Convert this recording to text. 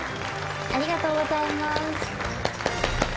ありがとうございます。